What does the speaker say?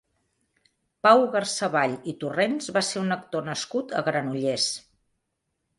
Pau Garsaball i Torrents va ser un actor nascut a Granollers.